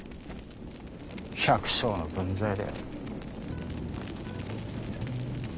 百姓の分際で。